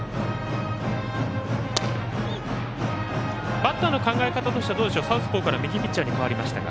バッターの考え方としてはサウスポーから右ピッチャーに代わりましたが。